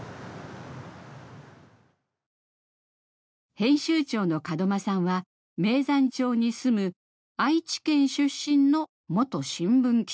編集長の門間さんは名山町に住む愛知県出身の元新聞記者。